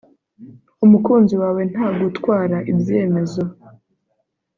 Umukunzi wawe ntagutwara ibyemezo